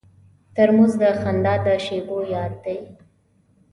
ترموز د خندا د شیبو یاد دی.